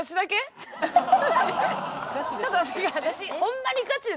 ちょっと待って私。